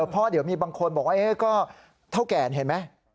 พ่อเดี๋ยวมีบางคนบอกว่าเฮ้ยก็เท่าแก่เห็นไหม